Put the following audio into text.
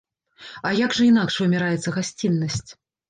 А як жа інакш вымяраецца гасціннасць?